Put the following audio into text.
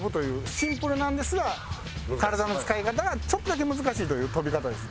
シンプルなんですが体の使い方がちょっとだけ難しいという飛び方です。